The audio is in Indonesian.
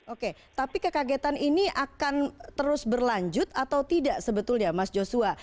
oke tapi kekagetan ini akan terus berlanjut atau tidak sebetulnya mas joshua